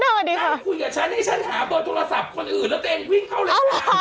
ทำไมไม่จุงมือกันมา